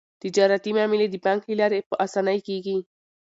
تجارتي معاملې د بانک له لارې په اسانۍ کیږي.